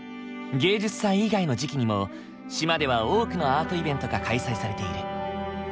芸術祭以外の時期にも島では多くのアートイベントが開催されている。